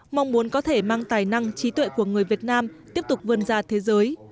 mong muốn có thể mang tài năng trí tuệ của người việt nam tiếp tục vươn ra thế giới